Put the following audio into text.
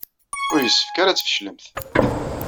Ur yessefk ara ad tfeclemt.